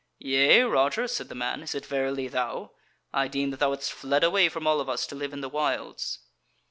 "Yea, Roger," said the man "is it verily thou? I deemed that thou hadst fled away from all of us to live in the wilds."